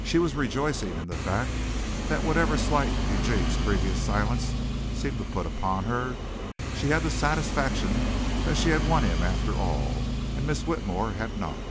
She was rejoicing in the fact that whatever slight Eugene's previous silence seemed to put upon her, she had the satisfaction that she had won him after all and Miss Whitmore had not.